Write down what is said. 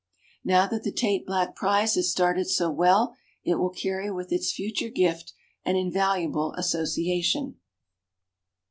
Now that the Tait Black prize has started so well it will carry with its future gift an invaluable as sociation.